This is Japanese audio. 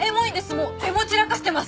もうエモ散らかしてます！